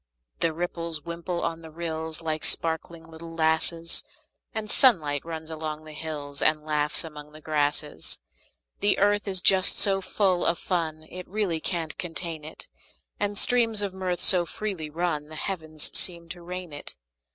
The ripples wimple on the rills, Like sparkling little lasses; The sunlight runs along the hills, And laughs among the grasses. The earth is just so full of fun It really can't contain it; And streams of mirth so freely run The heavens seem to rain it.